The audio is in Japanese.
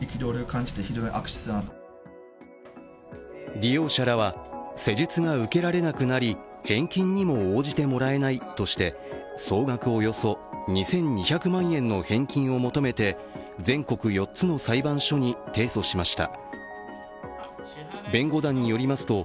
利用者らは施術が受けられなくなり、返金にも応じてもらえないとして総額およそ２２００万円の返金を求めて全国４つの裁判所に提訴しました。